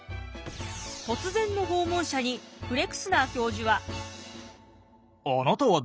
突然の訪問者にフレクスナー教授は。